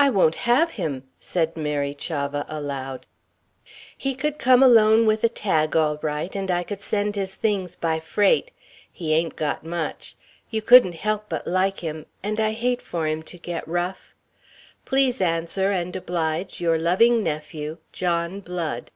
"I won't have him!" said Mary Chavah, aloud. "... he could come alone with a tag all right and I could send his things by freight. He ain't got much. You couldn't help but like him and I hate for him to get rough. Please answer and oblige your loving Nephew, "JOHN BLOOD."